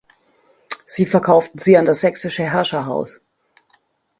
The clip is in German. Sie verkauften sie an das sächsische Herrscherhaus.